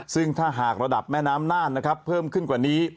ซึ่งถ้าหากระดับแม่น้ำน่านนะครับเพิ่มขึ้นกว่านี้